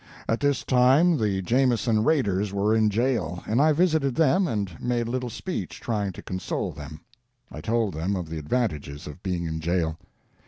At this time the Jameson raiders were in jail, and I visited them and made a little speech trying to console them. I told them of the advantages of being in jail.